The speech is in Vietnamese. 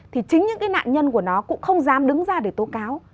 thì chính những cái nạn nhân của nó cũng không dám đứng ra để tố cáo